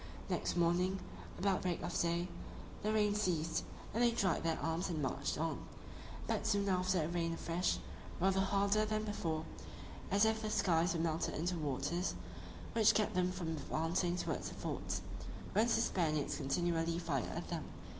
Next morning, about break of day, the rain ceased, and they dried their arms and marched on: but soon after it rained afresh, rather harder than before, as if the skies were melted into waters; which kept them from advancing towards the forts, whence the Spaniards continually fired at them.